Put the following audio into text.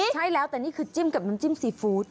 ใช่แล้วแต่นี่คือจิ้มกับน้ำจิ้มซีฟู้ด